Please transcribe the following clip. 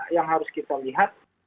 yang harus kita lihat